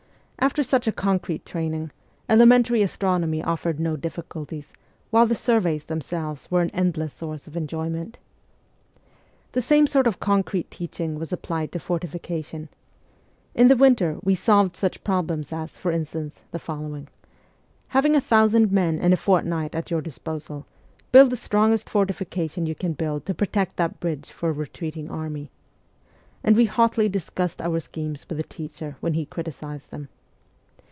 After such a concrete training, elementary astronomy offered no difficulties, while the surveys themselves were an endless source of enjoyment. The same system of concrete teaching was applied to fortification. In the winter we solved such problems as, for instance, the following :' Having a thousand men and a fortnight at your disposal, build the strongest fortification you can build to protect that bridge for a retreating army ;' and we hotly discussed our schemes with the teacher when he criticised them.